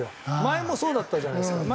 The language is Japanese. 前もそうだったじゃないですか。